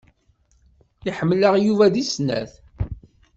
Iḥemmel-aɣ Yuba seg snat.